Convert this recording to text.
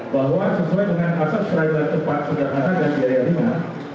bahwa sesuai dengan asas peradilan cepat setelah masalah gaji daya lima